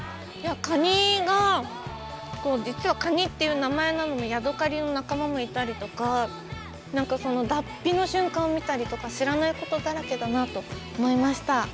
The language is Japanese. カニが実はカニっていう名前なのにヤドカリの仲間がいたりとかなんか脱皮の瞬間を見たりとか知らないことだらけだなと思いました。